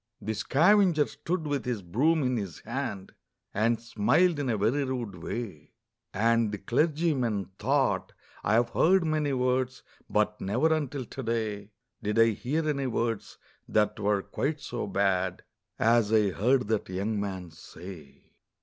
The scavenger stood with his broom in his hand, And smiled in a very rude way; And the clergyman thought, 'I have heard many words, But never, until to day, Did I hear any words that were quite so bad As I heard that young man say.'